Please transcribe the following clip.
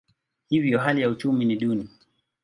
Hivyo hali ya uchumi ni duni.